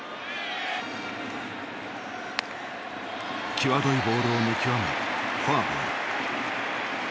際どいボールを見極めフォアボール。